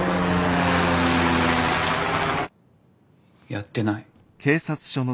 やってない。